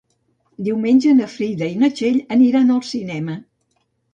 Diumenge na Frida i na Txell aniran al cinema.